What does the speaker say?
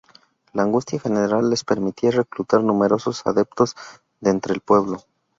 La angustia general les permitía reclutar numerosos adeptos de entre el pueblo.